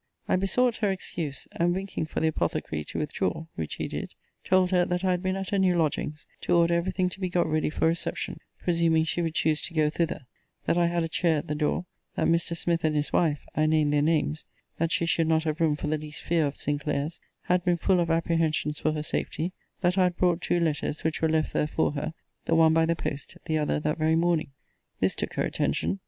I besought her excuse; and winking for the apothecary to withdraw, [which he did,] told her, that I had been at her new lodgings, to order every thing to be got ready for reception, presuming she would choose to go thither: that I had a chair at the door: that Mr. Smith and his wife [I named their names, that she should not have room for the least fear of Sinclair's] had been full of apprehensions for her safety: that I had brought two letters, which were left there fore her; the one by the post, the other that very morning. This took her attention.